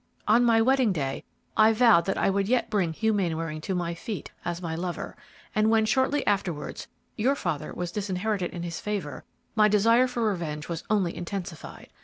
On my wedding day I vowed that I would yet bring Hugh Mainwaring to my feet as my lover, and when, shortly afterwards, your father was disinherited in his favor, my desire for revenge was only intensified.